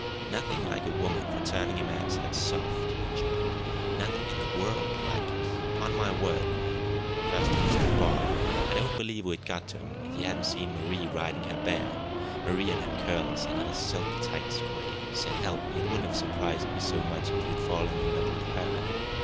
"Nothing like a woman for turning a man's head soft," he chuckled. "Nothing in the world like it, 'pon my word, Quade. First it was DeBar. I don't believe we'd got him if he hadn't seen Marie riding her bear. Marie and her curls and her silk tights, Quade s'elp me, it wouldn't have surprised me so much if you'd fallen in love with _her!